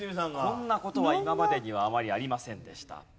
こんな事は今までにはあまりありませんでした。